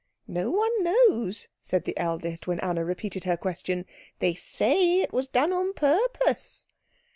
"No one knows," said the eldest, when Anna repeated her question. "They say it was done on purpose."